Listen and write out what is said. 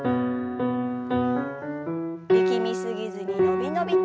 力み過ぎずに伸び伸びと。